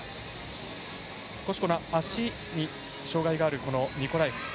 少し足に障がいがあるニコラエフ。